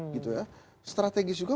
gitu ya strategis juga